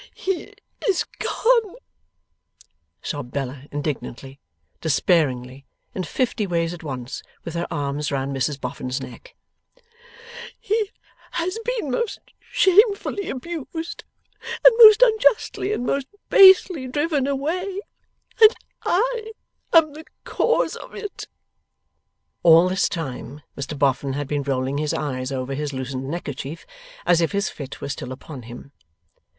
'He is gone,' sobbed Bella indignantly, despairingly, in fifty ways at once, with her arms round Mrs Boffin's neck. 'He has been most shamefully abused, and most unjustly and most basely driven away, and I am the cause of it!' All this time, Mr Boffin had been rolling his eyes over his loosened neckerchief, as if his fit were still upon him.